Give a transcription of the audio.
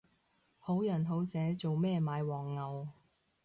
好人好姐做咩買黃牛